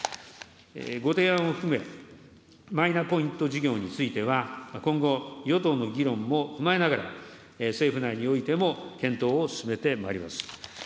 ご提案を含め、マイナポイント事業については今後、与党の議論も踏まえながら、政府内においても検討を進めてまいります。